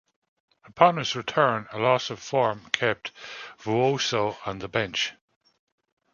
Upon his return, a loss of form kept Vuoso on the bench.